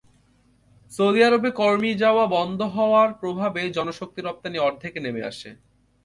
Saudi আরবে কর্মী যাওয়া বন্ধ হওয়ার প্রভাবে জনশক্তি রপ্তানি অর্ধেকে নেমে আসে।